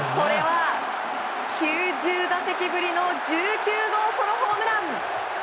９０打席ぶりの１９号ソロホームラン！